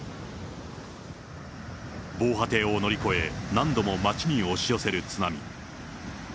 防波堤を乗り越え、何度も町に押し寄せる津波。